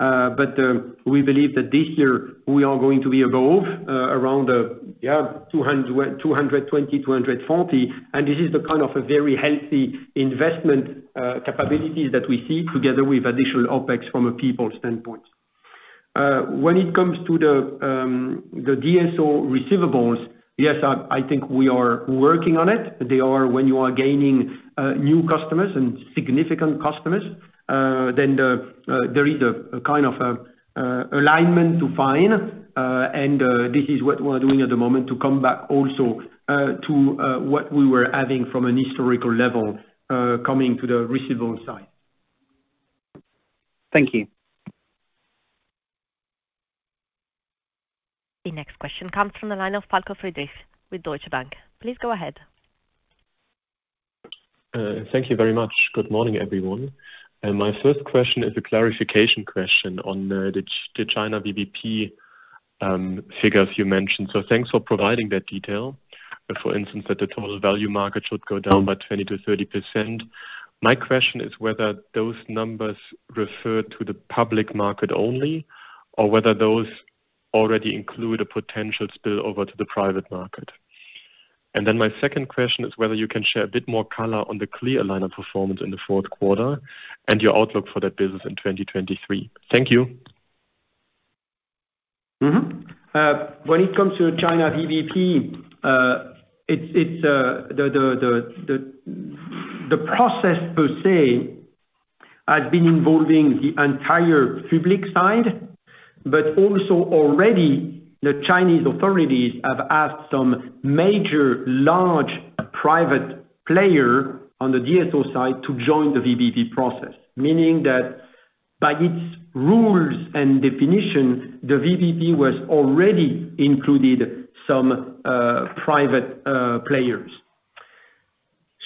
mark. We believe that this year we are going to be above, around 220 million-240 million. This is the kind of a very healthy investment capabilities that we see together with additional OpEx from a people standpoint. When it comes to the DSO receivables, yes, I think we are working on it. They are when you are gaining new customers and significant customers, then the there is a kind of alignment to find, and this is what we're doing at the moment to come back also to what we were having from an historical level, coming to the receivable side. Thank you. The next question comes from the line of Falko Friedrichs with Deutsche Bank. Please go ahead. Thank you very much. Good morning, everyone. My first question is a clarification question on the China VBP figures you mentioned. Thanks for providing that detail. For instance, that the total value market should go down by 20% to 30%. My question is whether those numbers refer to the public market only or whether those already include a potential spillover to the private market. My second question is whether you can share a bit more color on the clear aligner performance in the Q4 and your outlook for that business in 2023. Thank you. When it comes to China VBP, it's the process per se has been involving the entire public side, but also already the Chinese authorities have asked some major large private player on the DSO side to join the VBP process. Meaning that by its rules and definition, the VBP was already included some private players.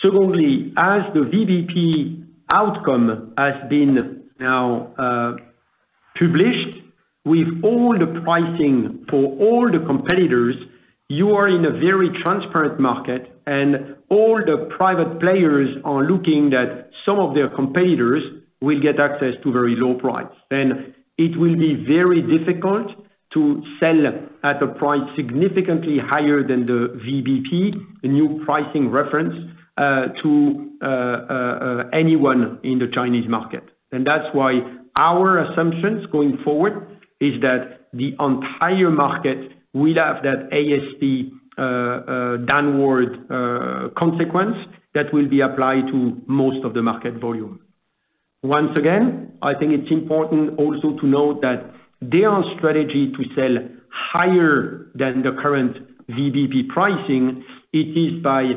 Secondly, as the VBP outcome has been now published with all the pricing for all the competitors, you are in a very transparent market, and all the private players are looking that some of their competitors will get access to very low price. It will be very difficult to sell at a price significantly higher than the VBP, the new pricing reference, to anyone in the Chinese market. That's why our assumptions going forward is that the entire market will have that ASP downward consequence that will be applied to most of the market volume. Once again, I think it's important also to note that their strategy to sell higher than the current VBP pricing, it is by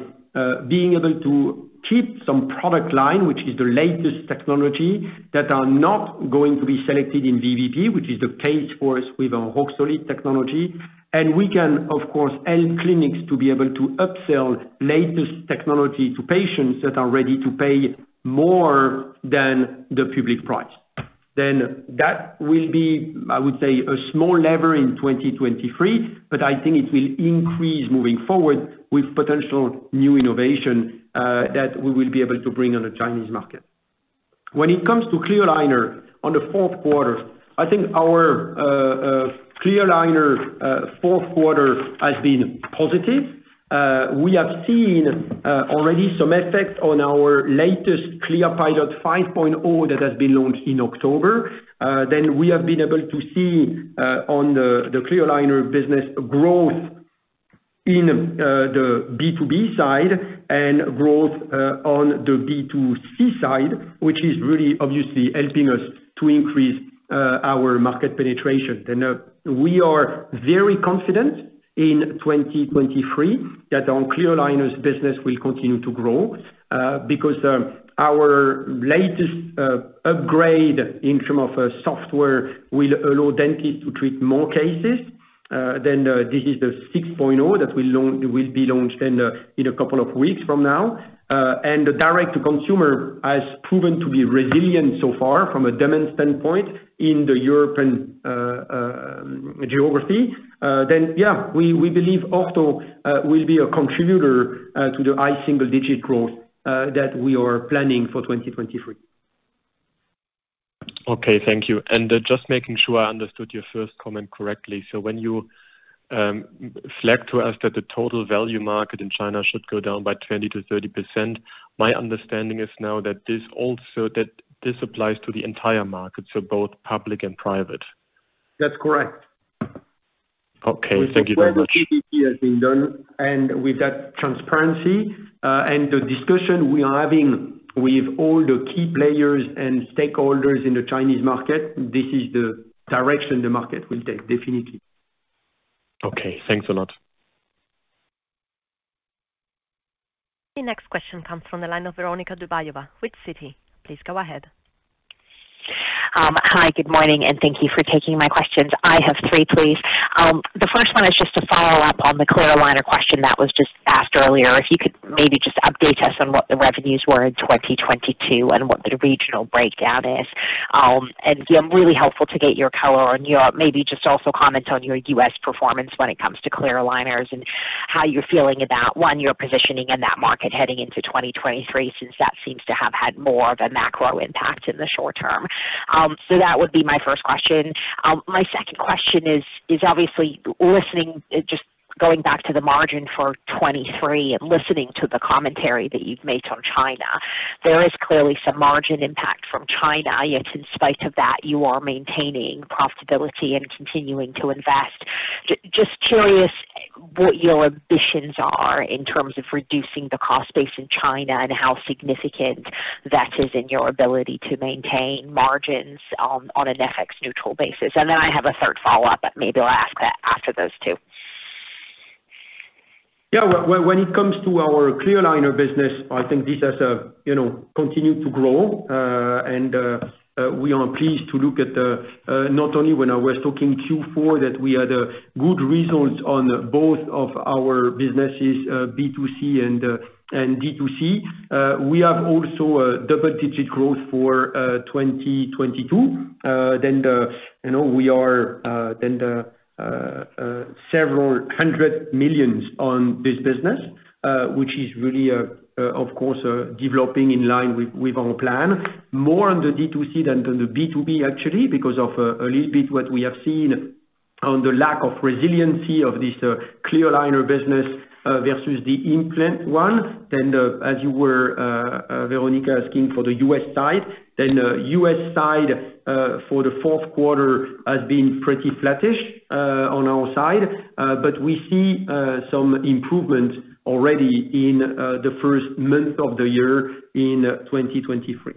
being able to keep some product line, which is the latest technology, that are not going to be selected in VBP, which is the case for us with our Roxolid technology. We can, of course, help clinics to be able to upsell latest technology to patients that are ready to pay more than the public price. That will be, I would say, a small lever in 2023, but I think it will increase moving forward with potential new innovation that we will be able to bring on the Chinese market. When it comes to clear aligner on the Q4, I think our clear aligner Q4 has been positive. We have seen already some effect on our latest ClearPilot 5.0 that has been launched in October. Then we have been able to see on the clear aligner business growth in the B2B side and growth on the B2C side, which is really obviously helping us to increase our market penetration. We are very confident in 2023 that our clear aligners business will continue to grow because our latest upgrade in term of software will allow dentists to treat more cases than this is the 6.0 that will be launched in a couple of weeks from now. The direct-to-consumer has proven to be resilient so far from a demand standpoint in the European geography. We believe Ortho will be a contributor to the high single-digit growth that we are planning for 2023. Okay. Thank you. Just making sure I understood your first comment correctly. When you flag to us that the total value market in China should go down by 20% to 30%, my understanding is now that this applies to the entire market, so both public and private. That's correct. Okay. Thank you very much. With the work the VBP has been done, and with that transparency, and the discussion we are having with all the key players and stakeholders in the Chinese market, this is the direction the market will take, definitely. Okay, thanks a lot. The next question comes from the line of Veronika Dubajova with Citi. Please go ahead. Hi, good morning, thank you for taking my questions. I have three, please. The first one is just a follow-up on the clear aligner question that was just asked earlier. If you could maybe just update us on what the revenues were in 2022 and what the regional breakdown is. Really helpful to get your color on Europe. Maybe just also comment on your US performance when it comes to clear aligners and how you're feeling about, one, your positioning in that market heading into 2023, since that seems to have had more of a macro impact in the short term. That would be my first question. My second question is obviously just going back to the margin for 2023 and listening to the commentary that you've made on China. There is clearly some margin impact from China, yet in spite of that, you are maintaining profitability and continuing to invest. Just curious what your ambitions are in terms of reducing the cost base in China and how significant that is in your ability to maintain margins on an FX neutral basis? I have a third follow-up, but maybe I'll ask that after those two. Yeah. When it comes to our clear aligner business, I think this has, you know, continued to grow. We are pleased to look at not only when I was talking Q4 that we had a good results on both of our businesses, B2C and D2C. We have also a double-digit growth for 2022. You know, we are several hundred millions on this business, which is really, of course, developing in line with our plan. More on the D2C than on the B2B actually, because of a little bit what we have seen on the lack of resiliency of this clear aligner business versus the implant one. As you were, Veronica asking for the U.S. side, the U.S. side, for the Q4 has been pretty flattish on our side. We see some improvement already in the first month of the year in 2023.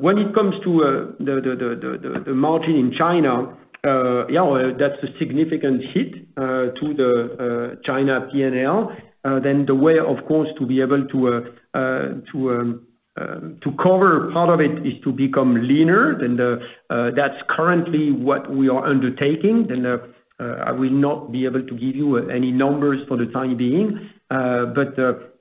When it comes to the margin in China, yeah, that's a significant hit to the China PNL. The way, of course, to be able to cover part of it is to become leaner, and that's currently what we are undertaking. I will not be able to give you any numbers for the time being, but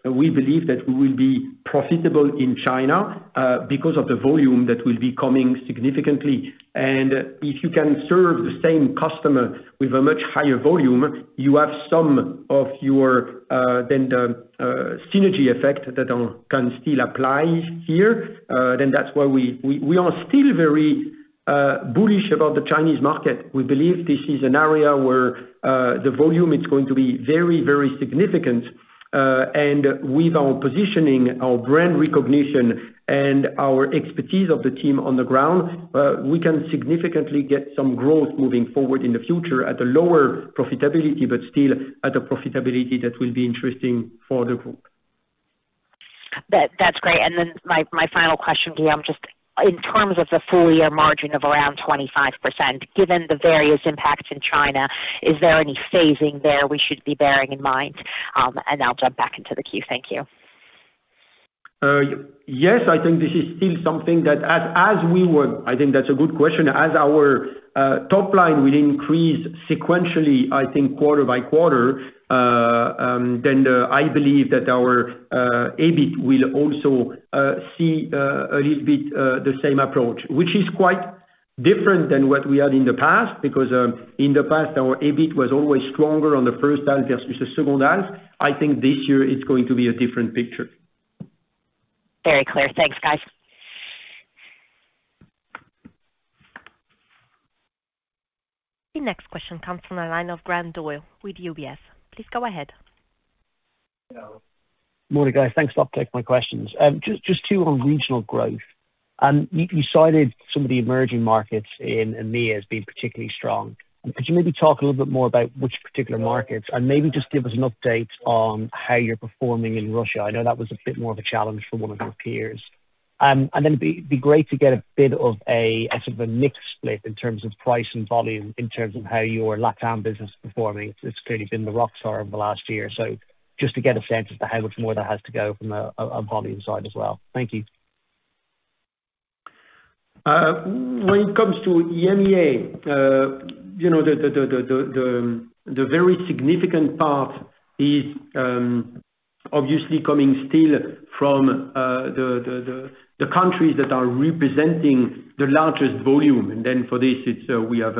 we believe that we will be profitable in China because of the volume that will be coming significantly. If you can serve the same customer with a much higher volume, you have some of your, then the, synergy effect that, can still apply here. That's why we are still very, bullish about the Chinese market. We believe this is an area where, the volume is going to be very, very significant. With our positioning, our brand recognition, and our expertise of the team on the ground, we can significantly get some growth moving forward in the future at a lower profitability, but still at a profitability that will be interesting for the group. That's great. My final question, Guillaume, just in terms of the full year margin of around 25%, given the various impacts in China, is there any phasing there we should be bearing in mind? I'll jump back into the queue. Thank you. Yes, I think this is still something that I think that's a good question. As our top line will increase sequentially, I think quarter-by-quarter, then I believe that our EBIT will also see a little bit the same approach, which is quite different than what we had in the past because in the past, our EBIT was always stronger on the H1 versus the H2. I think this year it's going to be a different picture. Very clear. Thanks, guys. The next question comes from the line of Graham Doyle with UBS. Please go ahead. Morning, guys. Thanks a lot for taking my questions. Just two on regional growth. You cited some of the emerging markets in EMEA as being particularly strong. Could you maybe talk a little bit more about which particular markets? Maybe just give us an update on how you're performing in Russia. I know that was a bit more of a challenge for one of your peers. Then it'd be great to get a bit of a, sort of, a mix split in terms of price and volume, in terms of how your LatAm business is performing. It's clearly been the rock star of the last year. Just to get a sense of how much more that has to go from a volume side as well. Thank you. When it comes to EMEA, you know, the very significant part is obviously coming still from the countries that are representing the largest volume. For this, it's we have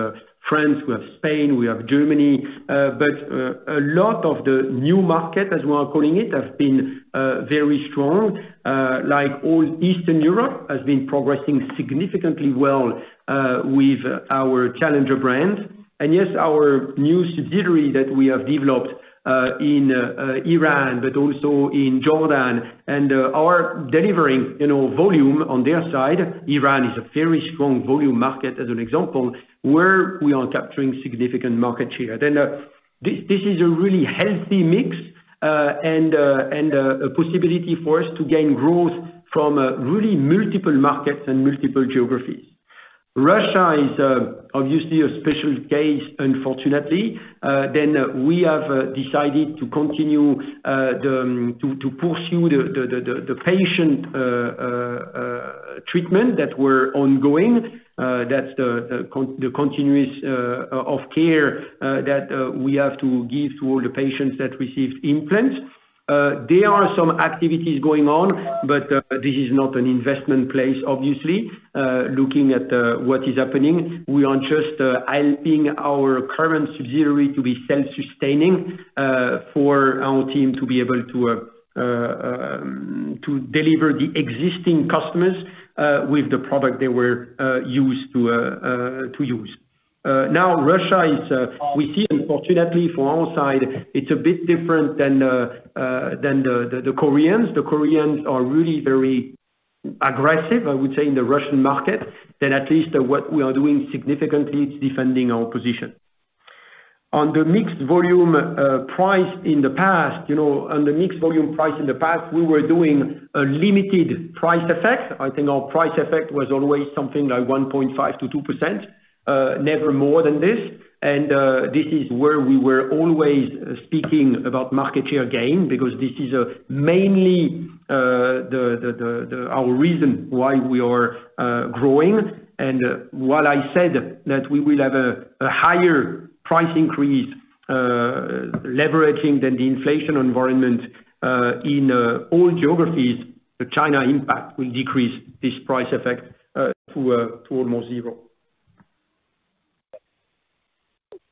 France, we have Spain, we have Germany. A lot of the new market, as we are calling it, have been very strong. Like all Eastern Europe has been progressing significantly well with our challenger brand. Our new subsidiary that we have developed in Iran, but also in Jordan, are delivering, you know, volume on their side. Iran is a very strong volume market as an example, where we are capturing significant market share. This is a really healthy mix and a possibility for us to gain growth from really multiple markets and multiple geographies. Russia is obviously a special case, unfortunately. We have decided to continue to pursue the patient treatment that we're ongoing, that's the continuum of care that we have to give to all the patients that received implants. There are some activities going on, this is not an investment place obviously, looking at what is happening. We are just helping our current subsidiary to be self-sustaining for our team to be able to deliver the existing customers with the product they were used to use. Now Russia is, we see unfortunately from our side, it's a bit different than the Koreans. The Koreans are really very aggressive, I would say, in the Russian market. At least what we are doing significantly is defending our position. On the mixed volume price in the past, you know, on the mixed volume price in the past, we were doing a limited price effect. I think our price effect was always something like 1.5% to 2%, never more than this. This is where we were always speaking about market share gain because this is mainly our reason why we are growing. While I said that we will have a higher price increase, leveraging than the inflation environment, in all geographies, the China impact will decrease this price effect to almost zero.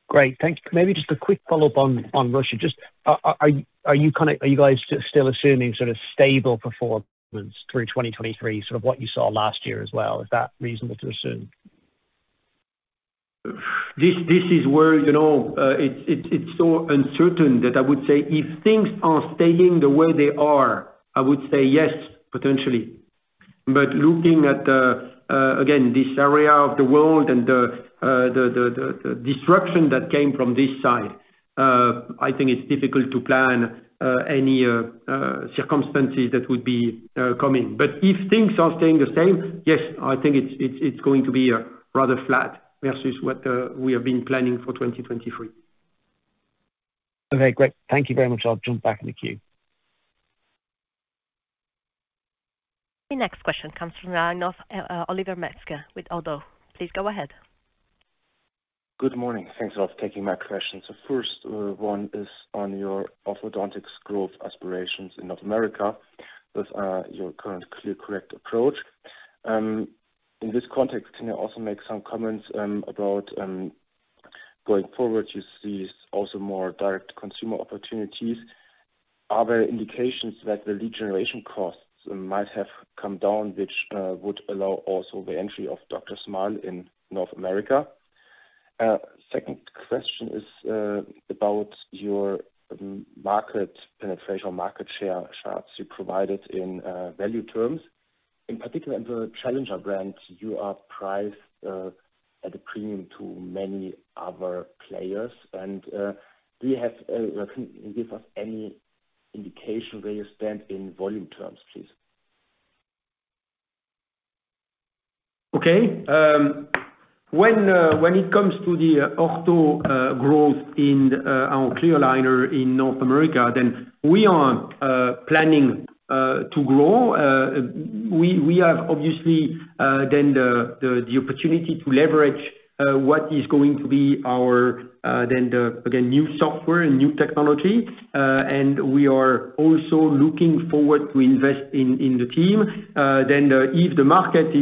Great. Thank you. Maybe just a quick follow-up on Russia. Just are you guys still assuming sort of stable performance through 2023, sort of what you saw last year as well? Is that reasonable to assume? This is where, you know, it's so uncertain that I would say if things are staying the way they are, I would say yes, potentially. Looking at, again, this area of the world and the disruption that came from this side, I think it's difficult to plan any circumstances that would be coming. If things are staying the same, yes, I think it's going to be rather flat versus what we have been planning for 2023. Okay, great. Thank you very much. I'll jump back in the queue. The next question comes from the line of Oliver Metzger with ODDO BHF. Please go ahead. Good morning. Thanks a lot for taking my question. First, one is on your orthodontics growth aspirations in North America with your current ClearCorrect approach. In this context, can you also make some comments about going forward you see also more direct consumer opportunities. Are there indications that the lead generation costs might have come down, which would allow also the entry of DrSmile in North America? Second question is about your market penetration, market share charts you provided in value terms. In particular, in the challenger brand, you are priced at a premium to many other players, and can you give us any indication where you stand in volume terms, please? Okay. When it comes to the ortho growth in our clear aligner in North America, we are planning to grow. We have obviously the opportunity to leverage what is going to be our again new software and new technology. We are also looking forward to invest in the team. If the market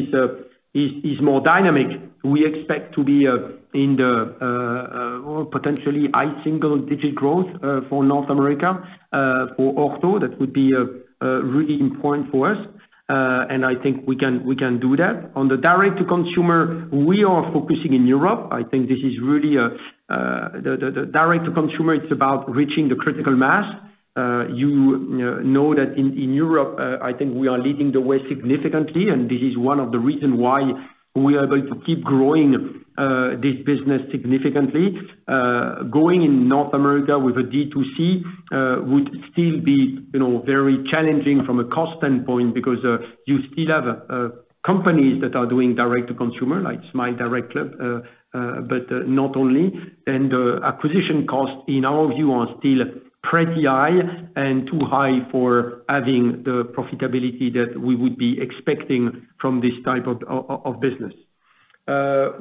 is more dynamic, we expect to be in the potentially high single-digit growth for North America. For ortho that would be really important for us, I think we can do that. On the direct-to-consumer, we are focusing in Europe. I think this is really the direct-to-consumer, it's about reaching the critical mass. You know that in Europe, I think we are leading the way significantly, and this is one of the reason why we are going to keep growing this business significantly. Going in North America with a D2C would still be, you know, very challenging from a cost standpoint because you still have companies that are doing direct-to-consumer, like SmileDirectClub, but not only. The acquisition costs in our view are still pretty high and too high for having the profitability that we would be expecting from this type of business.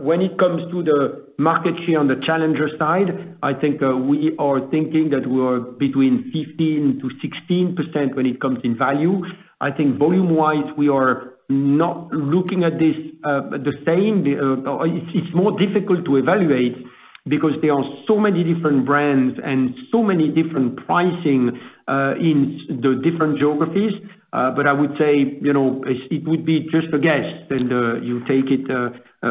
When it comes to the market share on the challenger side, I think we are thinking that we are between 15% to 16% when it comes in value. I think volume-wise, we are not looking at this the same. It's more difficult to evaluate because there are so many different brands and so many different pricing in the different geographies. I would say, you know, it's, it would be just a guess, and you take it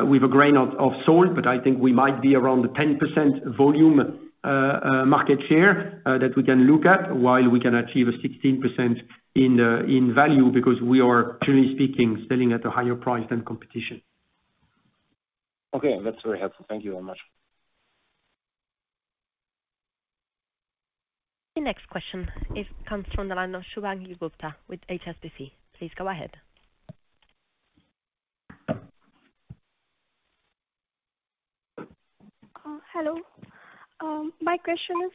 with a grain of salt. I think we might be around the 10% volume market share that we can look at while we can achieve a 16% in value because we are truly speaking, selling at a higher price than competition. Okay. That's very helpful. Thank you very much. The next question is coming from the line of Shubhangi Gupta with HSBC. Please go ahead. Hello. My question is,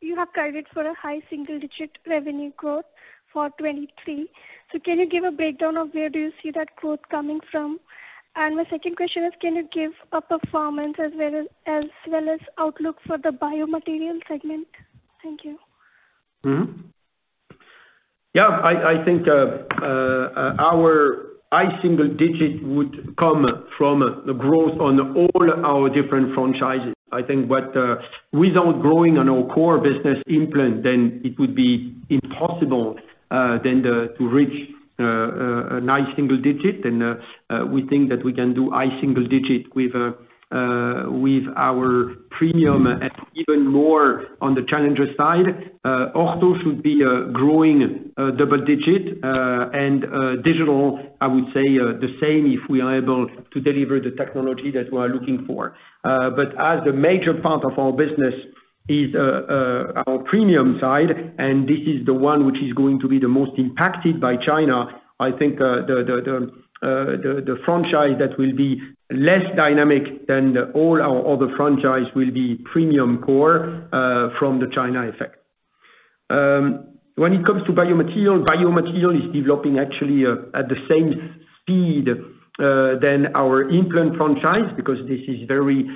you have guided for a high single digit revenue growth for 2023. Can you give a breakdown of where do you see that growth coming from? My second question is, can you give a performance as well as outlook for the biomaterial segment? Thank you. Yeah, I think our high single digit would come from the growth on all our different franchises. I think what, without growing on our core business implant, it would be impossible to reach a high single digit. We think that we can do high single digit with our premium and even more on the challenger side. Ortho should be growing double digit. Digital, I would say, the same if we are able to deliver the technology that we are looking for. As the major part of our business is our premium side, and this is the one which is going to be the most impacted by China, I think the franchise that will be less dynamic than all our other franchise will be premium core from the China effect. When it comes to biomaterial is developing actually at the same speed than our implant franchise because this is very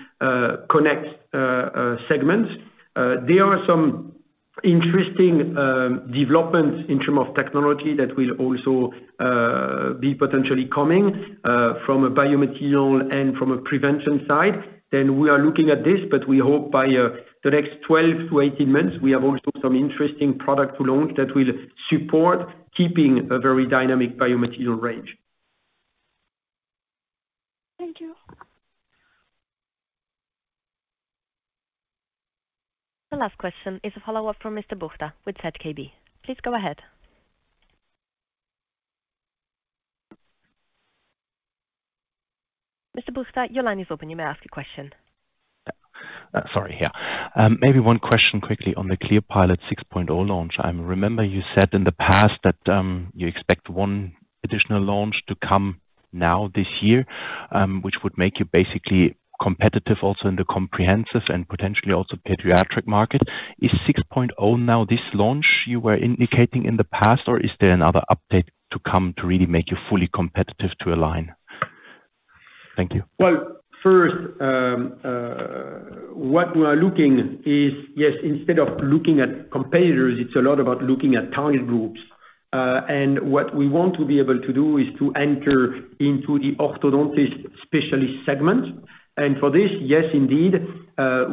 connected segment. There are some interesting developments in term of technology that will also be potentially coming from a biomaterial and from a prevention side. We are looking at this, but we hope by the next 12 to 18 months, we have also some interesting product to launch that will support keeping a very dynamic biomaterial range. Thank you. The last question is a follow-up from Mr. Buchta with ZKB. Please go ahead. Mr. Buchta, your line is open. You may ask your question. Sorry, yeah. Maybe one question quickly on the ClearPilot 6.0 launch. I remember you said in the past that you expect one additional launch to come now this year, which would make you basically competitive also in the comprehensive and potentially also pediatric market. Is 6.0 now this launch you were indicating in the past, or is there another update to come to really make you fully competitive to Align? Thank you. Well, first, what we are looking is, yes, instead of looking at competitors, it's a lot about looking at target groups. What we want to be able to do is to enter into the orthodontist specialist segment. For this, yes, indeed,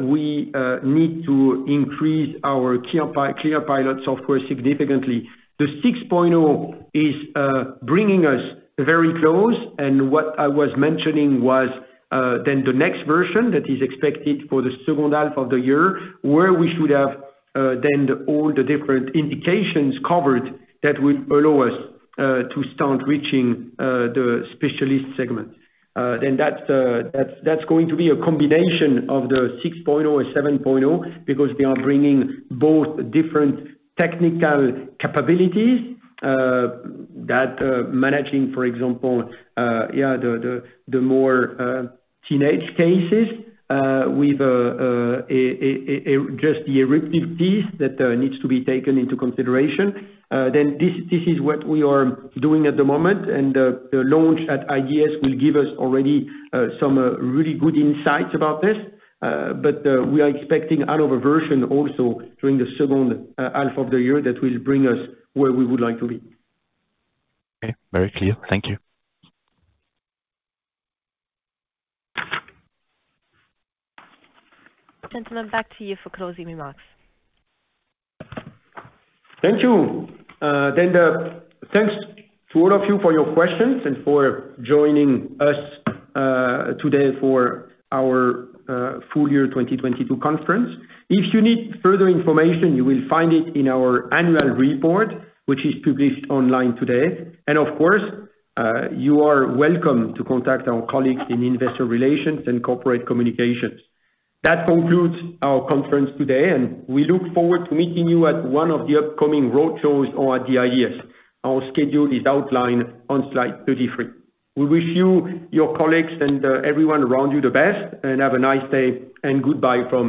we need to increase our ClearPilot software significantly. The 6.0 is bringing us very close, what I was mentioning was then the next version that is expected for the H2 of the year, where we should have then the all the different indications covered that would allow us to start reaching the specialist segment. That's going to be a combination of the 6.0 and 7.0 because they are bringing both different technical capabilities that managing, for example, yeah, the more teenage cases with a just the eruptive piece that needs to be taken into consideration. This is what we are doing at the moment, and the launch at IDS will give us already some really good insights about this. We are expecting another version also during the H2 of the year that will bring us where we would like to be. Okay. Very clear. Thank you. Gentlemen, back to you for closing remarks. Thank you. Thanks to all of you for your questions and for joining us today for our full year 2022 conference. If you need further information, you will find it in our annual report, which is published online today. Of course, you are welcome to contact our colleagues in investor relations and corporate communications. That concludes our conference today, and we look forward to meeting you at one of the upcoming road shows or at the IDS. Our schedule is outlined on slide 33. We wish you, your colleagues, and everyone around you the best, and have a nice day and goodbye from Paris.